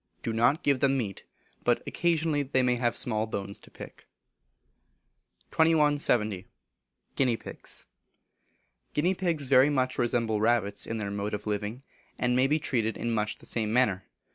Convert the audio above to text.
Do not give them meat, but occasionally they may I have small bones to pick. 2170. Guinea Pigs. Guinea Pigs very much resemble rabbits in their mode of living, and may be treated in much the same manner.